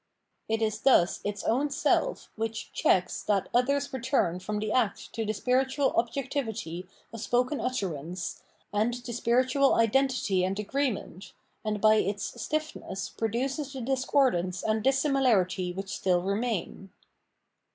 It is thus its own self w'hich checks that other's return from the act to the spiritual objectivity of spoken utterance, and to spiritual identity and agreement, and by its stiffness produces the discordance and dissimilarity which still remain.